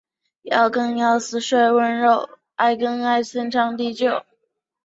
校长何伟在每年的开学典礼时会手持一块红砖进行演讲。